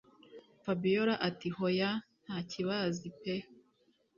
fabiora ati”hoya ntakibazi pe”